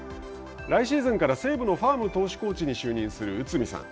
来シーズンから西武のファーム投手コーチに就任する内海さん。